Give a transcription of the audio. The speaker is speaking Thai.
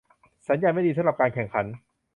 สัญญาณไม่ดีสำหรับการแข่งขัน